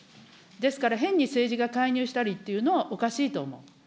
ですから、変に政治が介入したりっていうのはおかしいと思う。